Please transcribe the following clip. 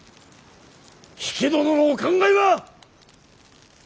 比企殿のお考えは！